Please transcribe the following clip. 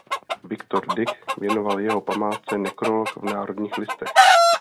Viktor Dyk věnoval jeho památce nekrolog v Národních listech.